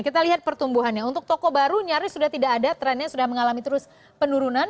kita lihat pertumbuhannya untuk toko baru nyaris sudah tidak ada trennya sudah mengalami terus penurunan